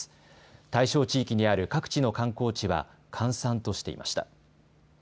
対象地域にある各地の観光地は閑散としていました。